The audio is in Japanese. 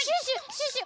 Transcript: シュッシュ！